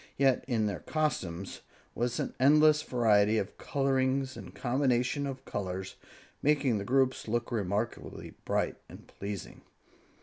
Yet in their costumes was an endless variety of colorings and combinations of colors, making the groups look remarkably bright and pleasing.